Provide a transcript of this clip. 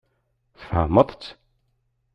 Tfehmeḍ-tt?